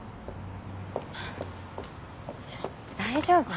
大丈夫？